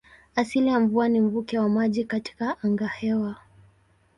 Asili ya mvua ni mvuke wa maji katika angahewa.